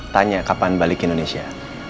tanya kapan balik indonesia